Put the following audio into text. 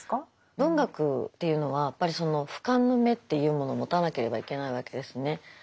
文学っていうのはやっぱりその俯瞰の目っていうものを持たなければいけないわけですね。